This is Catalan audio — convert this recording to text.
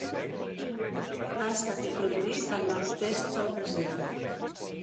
Ha estat introduït al nord-est del Brasil.